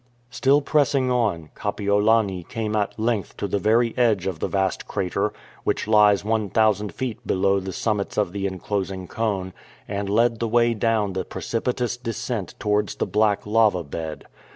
Still pressing on, Kapiolani came at length to the very edge of the vast crater, which lies one thousand feet below the summits of the enclosing cone, and led the way down the precipitous descent towards the black lava bed.